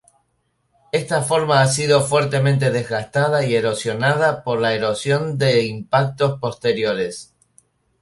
Esta formación ha sido fuertemente desgastada y erosionada por la erosión de impactos posteriores.